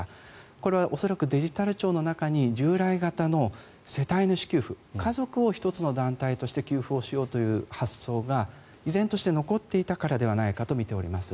これは恐らく、デジタル庁の中に従来型の世帯主給付家族を１つの団体として給付をしようという発想が依然として残っていたからではないかとみております。